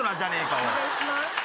お願いします。